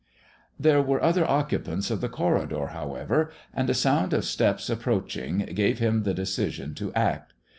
There were other occupants of the corridor, however, and a sound of steps approaching gave him the decision to act.